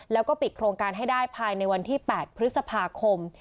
แล้วก็ปิดโครงการให้ได้ภายในวันที่๘พฤษภาคม